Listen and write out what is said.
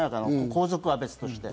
皇族は別として、